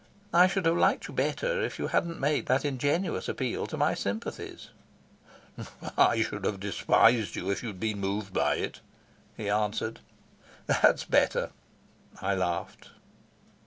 I should have liked you better if you hadn't made that ingenuous appeal to my sympathies." "I should have despised you if you'd been moved by it," he answered. "That's better," I laughed.